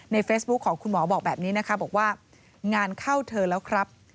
เฟซบุ๊คของคุณหมอบอกแบบนี้นะคะบอกว่างานเข้าเธอแล้วครับ